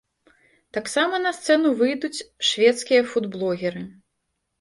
Таксама на сцэну выйдуць шведскія фудблогеры.